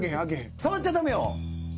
触っちゃ駄目よ。